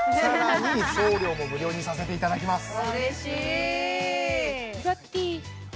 さらに送料も無料にさせていただきます